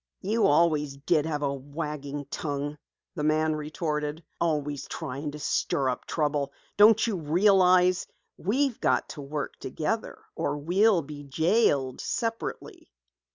"You always did have a wagging tongue," the man retorted. "Always trying to stir up trouble. Don't you realize we've got to work together or we'll be jailed separately?